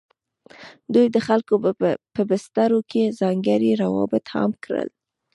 دوی د خلکو په بسترو کې ځانګړي روابط عام کړل.